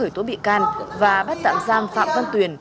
khởi tố bị can và bắt tạm giam phạm văn tuyền